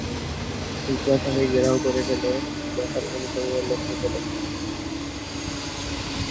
শিখরা তাকে ঘেরাও করে ফেলে যা তার অনুসারীরা লক্ষ্য করেননি।